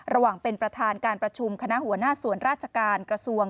ระหว่างเป็นประธานการประชุมคณะหัวหน้าส่วนราชการกระทรวง